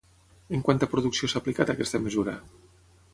En quanta producció s'ha aplicat aquesta mesura?